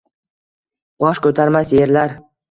Bosh ko’tarmas erlar